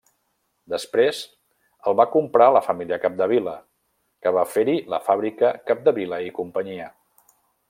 Després el va comprar la família Capdevila, que va fer-hi la fàbrica Capdevila i Cia.